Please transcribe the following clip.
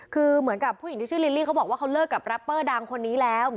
คือเหมือนกับผู้หญิงที่ชื่อลิลลี่เขาบอกว่าเขาเลิกกับแรปเปอร์ดังคนนี้แล้ว